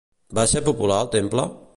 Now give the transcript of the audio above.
Va ser popular el temple?